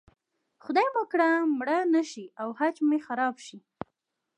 خدای مه کړه مړه نه شي او حج مې خراب شي.